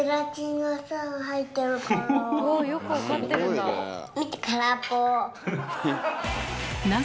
およく分かってるんだ。